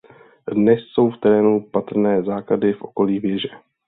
Dnes jsou v terénu patrné základy v okolí věže.